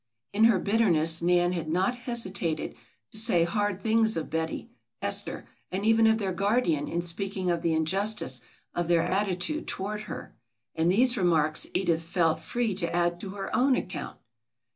In her bitterness Nan had not hesitated to say hard things of Betty, Esther and even of their guardian in speaking of the injustice of their attitude toward her, and these remarks Edith felt free to add to her own account.